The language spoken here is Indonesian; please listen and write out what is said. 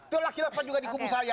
tolak hilafah juga di kubu saya